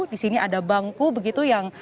di sini ada bangku begitu yang